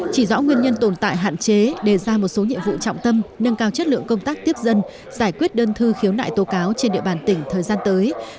chỉ rõ nguyên nhân tồn tại hạn chế đề ra một số nhiệm vụ trọng tâm nâng cao chất lượng công tác tiếp dân giải quyết đơn thư khiếu nại tố cáo trên địa bàn tỉnh thời gian tới